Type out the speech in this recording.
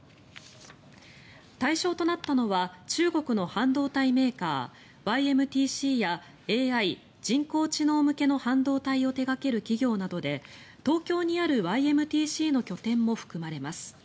対象となったのは中国の半導体メーカーＹＭＴＣやＡＩ・人工知能向けの半導体を手掛ける企業などで東京にあるＹＭＴＣの拠点も含まれます。